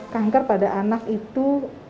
kanker pada anak itu